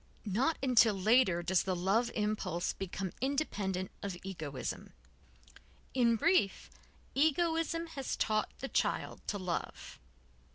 Not until later does the love impulse become independent of egoism. _In brief, egoism has taught the child to love.